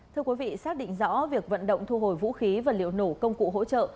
thưa quý vị xác định rõ việc vận động thu hồi vũ khí và liệu nổ công cụ hỗ trợ